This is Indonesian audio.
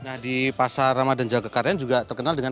nah di pasar ramadhan jogakarian juga terkenal dengan